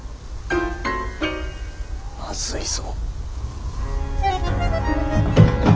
まずいぞ！